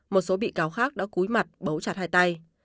một số bị cáo khác đã cúi mặt bấu chặt hai tay